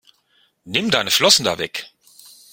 Nimm deine Flossen da weg!